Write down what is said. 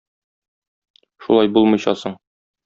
Шулай булмыйча соң!